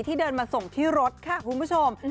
เดินมาส่งที่รถค่ะคุณผู้ชม